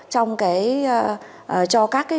trong cái cho các cái